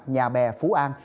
nhà bè phú an